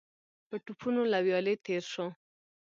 په ټوپونو له ويالې تېر شو.